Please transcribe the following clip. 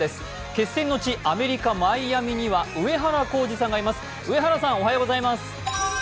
決戦の地、アメリカ・マイアミには上原浩治さんがいます。